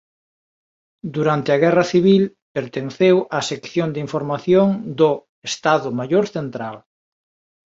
Durante a Guerra Civil pertenceu á sección de información do Estado Maior Central.